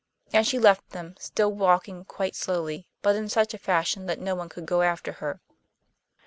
And she left them, still walking quite slowly, but in such a fashion that no one could go after her.